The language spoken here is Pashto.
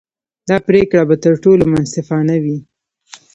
دا پرېکړه به تر ټولو منصفانه وي.